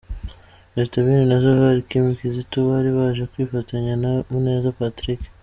Mr Bean na Safari Kim Kizito bari baje kwifatanya na Muneza Patrick.